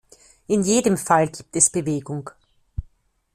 In jedem Fall gibt es Bewegung.